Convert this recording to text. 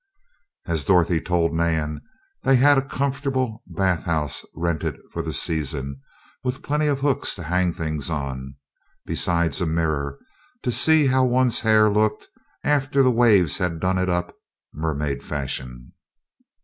As Dorothy told Nan, they had a comfortable bathhouse rented for the season, with plenty of hooks to hang things on, besides a mirror, to see how one's hair looked, after the waves had done it up mermaid fashion.